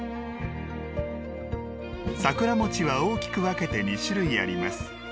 桜餅は、大きく分けて２種類あります。